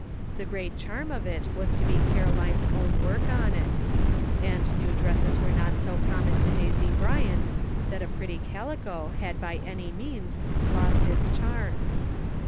The great charm of it was to be Caroline's own work on it ; and new dresses were not so common to Daisy Bryant that a pretty calico had by any means lost its charms.